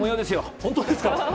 本当ですか。